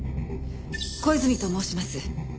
小泉と申します。